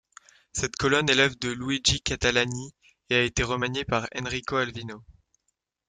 Cette colonne est l'œuvre de Luigi Catalani et a été remaniée par Enrico Alvino.